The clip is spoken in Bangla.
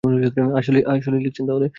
আসলেই লিখছেন তাহলে!